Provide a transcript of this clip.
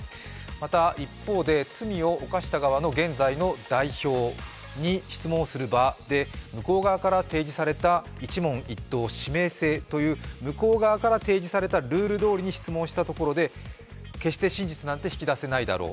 また、一方で、罪を犯した側の現在の代表に質問する場で向こう側から提示された１問１答、指名制という向こうから指定されたルールで決して真実なんで引き出せないだろう